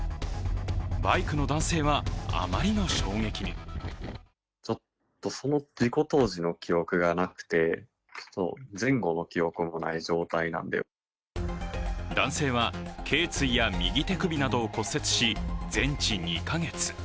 バイクの男性はあまりの衝撃に男性はけい椎や右手首などを骨折し、全治２か月。